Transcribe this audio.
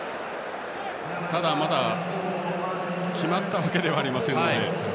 ただ、まだ決まったわけではないので。